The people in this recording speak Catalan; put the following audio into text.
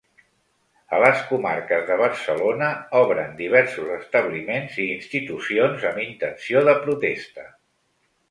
A les comarques de Barcelona, obren diversos establiments i institucions amb intenció de protesta.